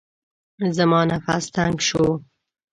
زما نفس تنګ شو.